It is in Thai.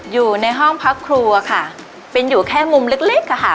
อยู่ในห้องพักครัวค่ะเป็นอยู่แค่มุมเล็กเล็กอะค่ะ